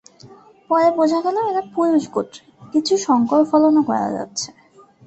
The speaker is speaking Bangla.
পরে বোঝা গেল এরা পুরুষ গোত্রের, কিছু শংকর ফলনও করা যাচ্ছে।